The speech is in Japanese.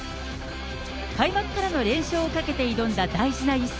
開幕からの連勝をかけて挑んだ大事な一戦。